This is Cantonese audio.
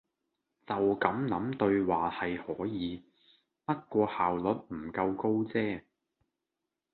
就咁諗對話係可以，不過效率唔夠高啫